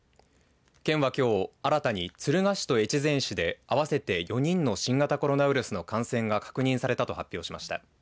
県は、きょう新たに敦賀市と越前市で合わせて４人の新型コロナウイルスの感染が確認されたと発表しました。